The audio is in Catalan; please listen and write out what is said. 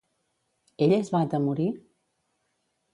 Ell es va atemorir?